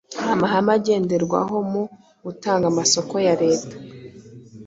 amahame agenderwaho mu gutanga amasoko ya Leta,